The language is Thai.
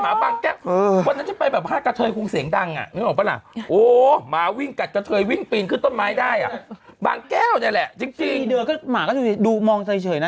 ข้าขาเราเป็นห้าล่ะไม่เกี่ยวแหละจริงเดินไว้มองยินเฉยย